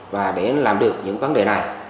và để làm được những vấn đề này